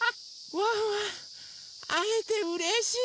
ワンワンあえてうれしい！